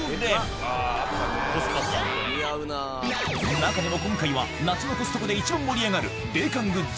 中でも今回は夏のコストコで一番盛り上がる冷感グッズ